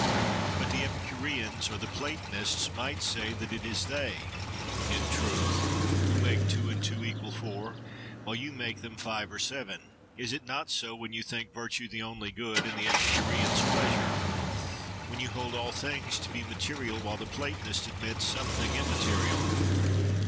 But the Epicureans, or the Platonists, might say that it is they, in truth, who make two and two equal four, while you make them five or seven. Is it not so, when you think virtue the only good, and the Epicureans pleasure; when you hold all things to be material, while the Platonists admit something immaterial?